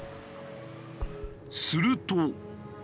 すると。